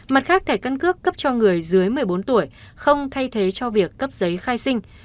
mặt khác thẻ căn cước cấp cho người dưới một mươi bốn tuổi không thay thế cho việc cấp giấy khai sinh